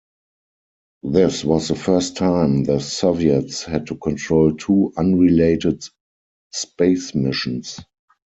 This was the first time the Soviets had to control two unrelated space missions.